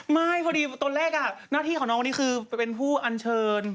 ไม่พอดีตอนแรกหน้าที่ของน้องคนนี้คือเป็นผู้อัญเชิญ